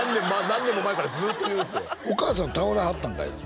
何年も前からずっと言うんすよお母さん倒れはったんかいな？